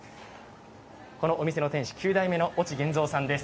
このお店の店主９代目の越智元三さんです。